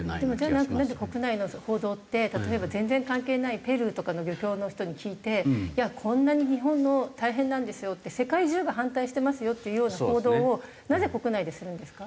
じゃあなんで国内の報道って例えば全然関係ないペルーとかの漁協の人に聞いて「こんなに日本の大変なんですよ」って「世界中が反対してますよ」っていうような報道をなぜ国内でするんですか？